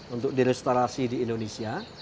untuk direstorasi di indonesia